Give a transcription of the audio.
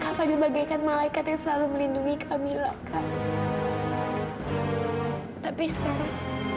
kapal bagaikan malaikat yang selalu melindungi camila kak tapi sekarang